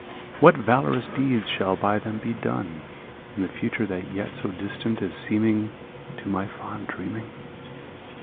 What valorous deeds shall by them be done In the future that yet so distant is seeming To my fond dreaming?